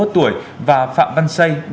ba mươi một tuổi và phạm văn xây